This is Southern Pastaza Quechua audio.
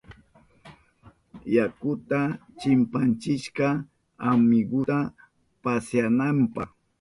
Yakuta chimpachishka amigunta pasyananpa.